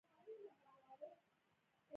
دا نړۍ له موږ څخه د نويو مفکورو غوښتنه کوي.